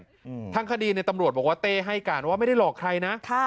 อืมทางคดีเนี้ยตำรวจบอกว่าเต้ให้การว่าไม่ได้หลอกใครนะค่ะ